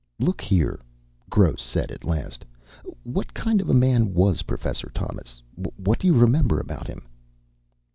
"Look here," Gross said at last. "What kind of man was Professor Thomas? What do you remember about him?"